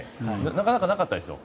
なかなかなかったですよ